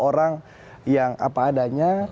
orang yang apa adanya